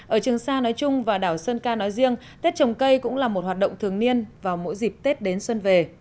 ở trường sa nói chung và đảo sơn ca nói riêng tết trồng cây cũng là một hoạt động thường niên vào mỗi dịp tết đến xuân về